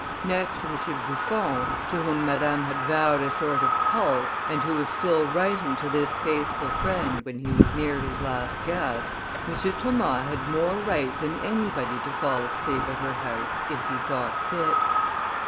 Next to M. Buffon, to whom Madame had vowed a sort of cult, and who was still writing to this faithful friend when he was near his last gasp, M. Thomas had more right than anybody to fall asleep at her house if he thought fit.